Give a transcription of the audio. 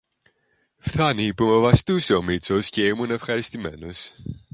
Φθάνει που με βαστούσε ο Μήτσος και ήμουν ευχαριστημένος.